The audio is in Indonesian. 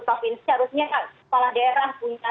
provinsi harusnya kepala daerah punya